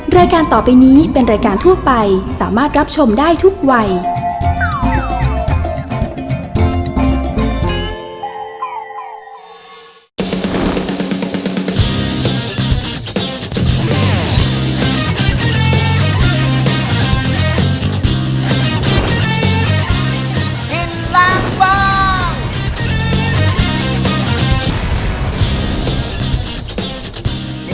รายการต่อไปนี้เป็นรายการทั่วไปสามารถรับชมได้ทุกวัย